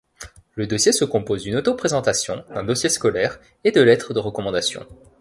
Le dossier se compose d'une auto-présentation, d'un dossier scolaire, et de lettres de recommandation.